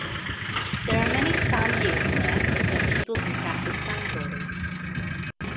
There are many sand dunes there, where people can practice sandboarding.